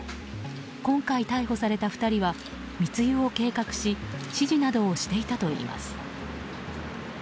今回逮捕された２人は密輸を計画し指示などをしていたといいます。